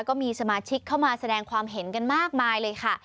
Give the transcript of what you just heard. ก็มีสมาชิกเข้ามาแสดงความเห็นกันมากมายเลยค่ะ